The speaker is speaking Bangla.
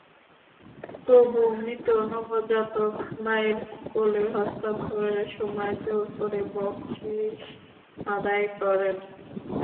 তবু মৃত নবজাতক মায়ের কোলে হস্তান্তরের সময় জোর করে বকশিশ আদায় করেন।